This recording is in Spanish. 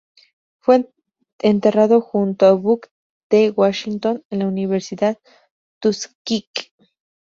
Fue enterrado junto a Booker T. Washington en la Universidad Tuskegee.